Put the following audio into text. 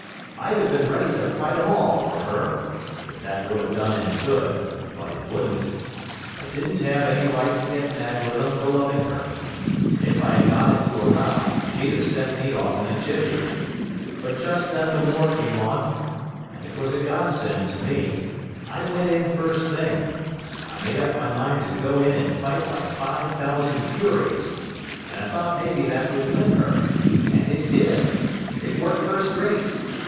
I'd have been ready to fight 'em all for her, if that would have done any good, but it wouldn't; I didn't have any right to get mad with 'em for loving her, and if I had got into a row she'd have sent me off in a jiffy. But just then the war came on, and it was a Godsend to me. I went in first thing. I made up my mind to go in and fight like five thousand furies, and I thought maybe that would win her, and it did; it worked first rate.